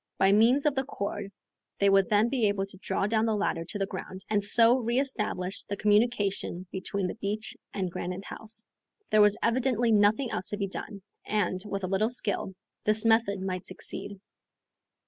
By means of the cord they would then be able to draw down the ladder to the ground, and so re establish the communication between the beach and Granite House. There was evidently nothing else to be done, and, with a little skill, this method might succeed.